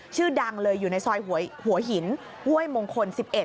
ชื่อดังเลยอยู่ในซอยหัวหินห้วยมงคล๑๑